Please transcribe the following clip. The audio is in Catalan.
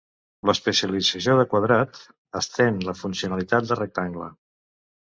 L'especialització de quadrat, estén la funcionalitat de rectangle.